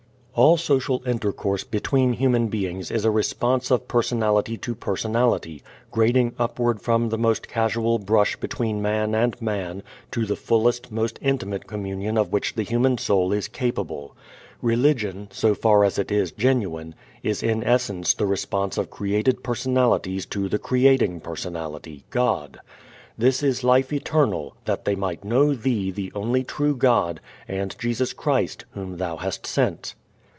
All social intercourse between human beings is a response of personality to personality, grading upward from the most casual brush between man and man to the fullest, most intimate communion of which the human soul is capable. Religion, so far as it is genuine, is in essence the response of created personalities to the Creating Personality, God. "This is life eternal, that they might know thee the only true God, and Jesus Christ, whom thou hast sent."